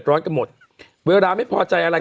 ขออีกทีอ่านอีกที